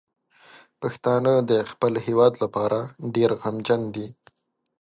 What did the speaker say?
پښتانه د خپل هیواد لپاره ډیر غمجن دي.